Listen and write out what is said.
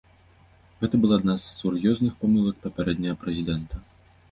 Гэта была адна з сур'ёзных памылак папярэдняга прэзідэнта.